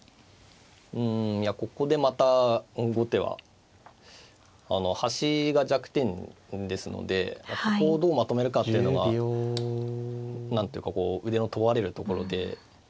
うんここでまた後手は端が弱点ですのでここをどうまとめるかっていうのが何ていうかこう腕の問われるところで。